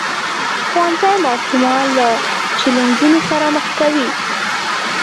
ښوونځی ماشومان له چیلنجونو سره مخ کوي.